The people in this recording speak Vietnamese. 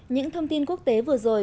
những thông tin quốc tế vừa rồi